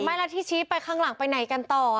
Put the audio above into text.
ไม่แล้วที่ชี้ไปข้างหลังไปไหนกันต่อ